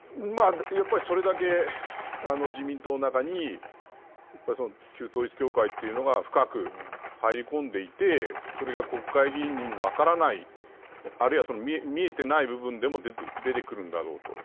それだけ自民党の中に旧統一教会というのが深く入り込んでいてそれが国会議員にも分からないあるいは見えていない部分でも出てくるんだろうと。